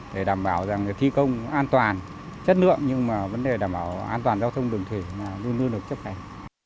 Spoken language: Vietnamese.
để đảm bảo thi công an toàn chất lượng nhưng vấn đề đảm bảo an toàn giao thông đồng thời luôn luôn được chấp hành